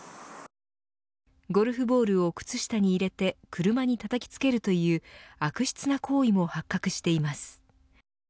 ゴルフボールを靴下に入れて車にたたきつけるという悪質な行為も発覚しています。